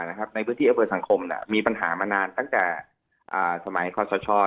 ในพื้นที่อำเภอสังคมมีปัญหามานานตั้งแต่สมัยคอสช